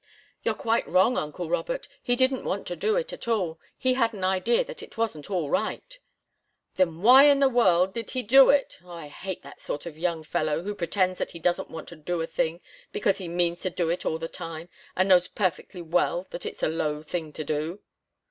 "You're quite wrong, uncle Robert! He didn't want to do it at all. He had an idea that it wasn't all right " "Then why in the world did he do it? Oh, I hate that sort of young fellow, who pretends that he doesn't want to do a thing because he means to do it all the time and knows perfectly well that it's a low thing to do!"